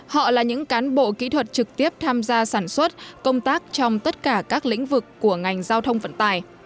họ là những cán bộ kỹ thuật trực tiếp tham gia sản xuất công tác trong tất cả các lĩnh vực của ngành giao thông vận tài